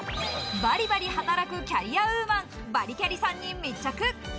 バリバリ働くキャリアウーマン、バリキャリさんに密着。